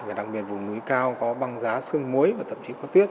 và đặc biệt vùng núi cao có băng giá xương muối và thậm chí có tuyết